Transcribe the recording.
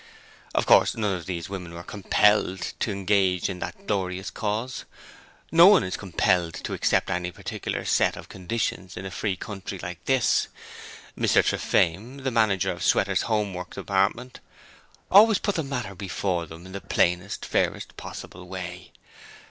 Of course, none of those women were COMPELLED to engage in that glorious cause. No one is compelled to accept any particular set of conditions in a free country like this. Mr Trafaim the manager of Sweater's Homework Department always put the matter before them in the plainest, fairest possible way.